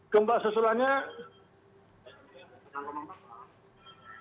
gempa susulannya enam empat pak